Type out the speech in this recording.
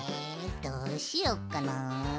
どうしよっかなあ。